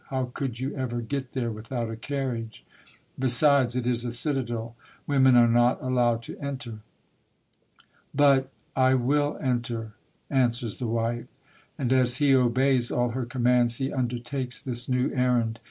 How could you ever get there without a carriage? Besides, it is a citadel. Women are not allowed to enter." " But — I will enter —" answers the wife ; and as he obeys all her commands, he undertakes this new errand.